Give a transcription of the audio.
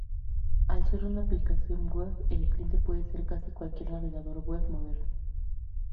Al ser una aplicación web el cliente puede ser casi cualquier navegador web moderno.